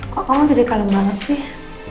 kok kamu jadi kalem banget sih